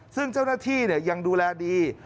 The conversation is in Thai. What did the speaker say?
ซึ่งเจ้าหน้าที่ยังดูแลดี